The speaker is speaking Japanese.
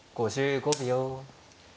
５５秒。